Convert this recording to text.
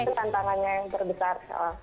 itu tantangannya yang terbesar